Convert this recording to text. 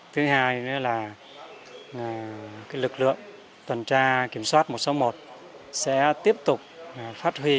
thứ hai nữa là lực lượng tuần tra kiểm soát một trăm sáu mươi một sẽ tiếp tục phát huy